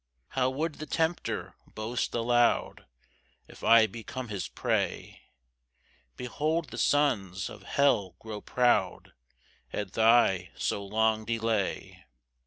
5 How would the tempter boast aloud If I become his prey! Behold the sons of hell grow proud At thy so long delay.